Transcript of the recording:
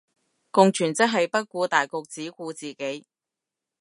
共存即係不顧大局只顧自己